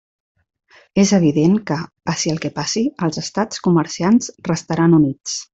És evident que, passi el que passi, els estats comerciants restaran units.